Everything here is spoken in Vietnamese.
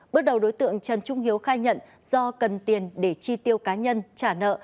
bước đầu đối tượng trần trung hiếu khai nhận do cần tiền để chi tiêu cá nhân trả nợ